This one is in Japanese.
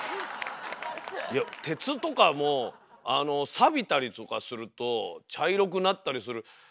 鉄とかもサビたりとかすると茶色くなったりする。